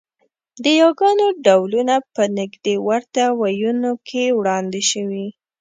د یاګانو ډولونه په نږدې ورته وییونو کې وړاندې شوي